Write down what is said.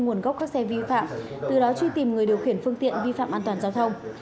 nguồn gốc các xe vi phạm từ đó truy tìm người điều khiển phương tiện vi phạm an toàn giao thông